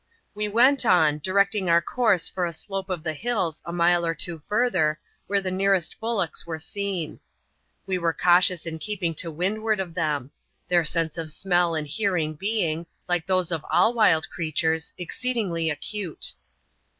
We went on, directing our course for a slope of the hills, a mile or two further, where the nearest bullocks were seen. We were cautious in keeping to windward of them ; their sense of smell and hearing being, like those of all wild crea tures, exceedingly acute.